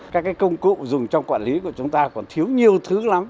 các công cụ dùng trong quản lý của chúng ta còn thiếu nhiều thứ lắm